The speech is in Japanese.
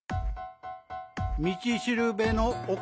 みちしるべのおか？